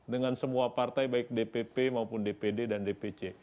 dengan semua partai baik dpp maupun dpd dan dpc